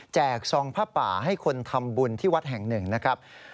ซองผ้าป่าให้คนทำบุญที่วัดแห่งหนึ่งนะครับ